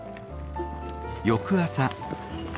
翌朝。